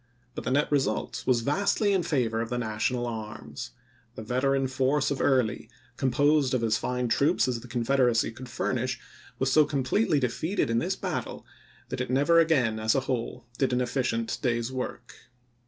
But the net result was vastly in favor of the Na tional arms. The veteran force of Early, composed of as fine troops as the Confederacy could furnish, was so completely defeated in this battle that it never again as a whole did an efficient day's work.